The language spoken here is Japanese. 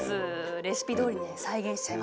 レシピどおりに再現しちゃいました。